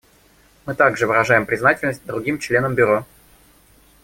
Мы также выражаем признательность другим членам Бюро.